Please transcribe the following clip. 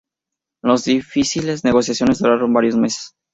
Las difíciles negociaciones duraron varios meses.